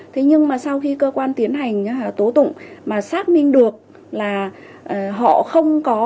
thế nhưng mà sau khi cơ quan tiến hành tố tụng mà xác minh được là họ không có